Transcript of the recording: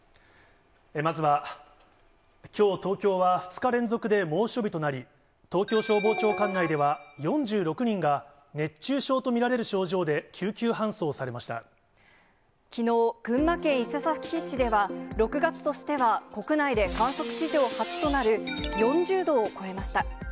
まずは、きょう東京は２日連続で猛暑日となり、東京消防庁管内では４６人が、熱中症と見られる症状で救急搬送きのう、群馬県伊勢崎市では、６月としては国内で観測史上初となる、４０度を超えました。